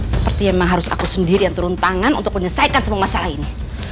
seperti memang harus aku sendiri yang turun tangan untuk menyelesaikan semua masalah ini